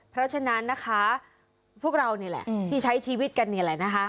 เพราะฉะนั้นนะคะพวกเรานี่แหละที่ใช้ชีวิตกันนี่แหละนะคะ